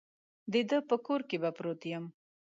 د ده په کور کې به پروت یم.